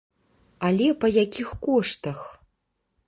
Але па якіх коштах!